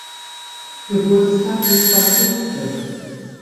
Geburtstag des Bassisten.